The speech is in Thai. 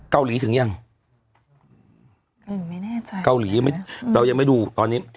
เกาหลีถึงยังอืมไม่แน่ใจเกาหลียังไม่เรายังไม่ดูตอนนี้